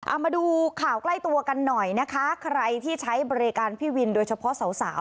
เอามาดูข่าวใกล้ตัวกันหน่อยนะคะใครที่ใช้บริการพี่วินโดยเฉพาะสาวสาว